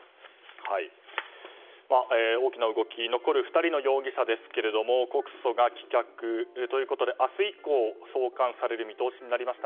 大きな動き残る２人の容疑者ですが告訴が棄却ということで明日以降、送還される見通しになりました。